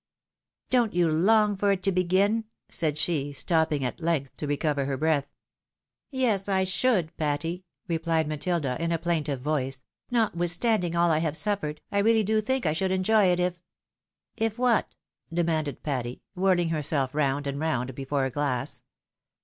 " Don't you long for it to begin ?" said she, stopping at length to recover breath. 054 THE WIDOW jrAItHIED. " Yes, T should, Patty,'" replied Matilda, in a plaintive Toioe; " notwithstanding aU I have suffered, I reaUy do think I should enjoy it, if " "If what?" demanded Patty, whirling herself round and round before a glass.